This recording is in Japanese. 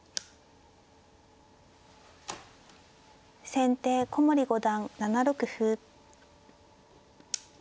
先手古森五段７六歩。